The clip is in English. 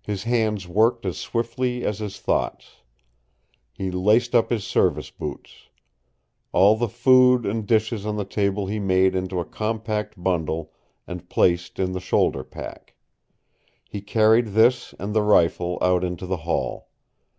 His hands worked as swiftly as his thoughts. He laced up his service boots. All the food and dishes on the table he made into a compact bundle and placed in the shoulder pack. He carried this and the rifle out into the hall.